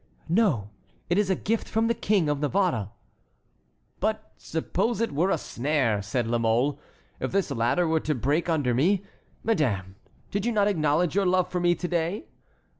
"No, it is a gift from the King of Navarre." "But suppose it were a snare?" said La Mole. "If this ladder were to break under me? Madame, did you not acknowledge your love for me to day?"